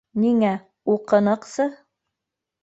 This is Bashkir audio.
— Ниңә, уҡыныҡсы.